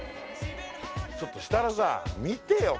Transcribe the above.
ちょっと設楽さん見てよ